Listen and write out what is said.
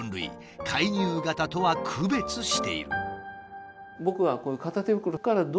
介入型とは区別している。